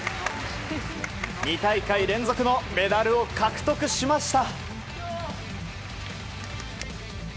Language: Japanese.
２大会連続のメダルを獲得しました！